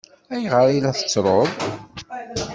Ayɣer i la tettruḍ?